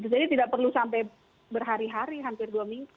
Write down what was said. jadi tidak perlu sampai berhari hari hampir dua minggu